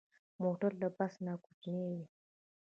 موټر له بس کوچنی وي.